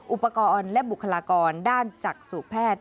อุปกรณ์และบุคลากรด้านจักษุแพทย์